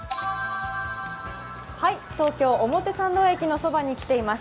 東京・表参道駅のそばに来ています。